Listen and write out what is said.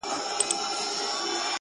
چي ستا به اوس زه هسي ياد هم نه يم~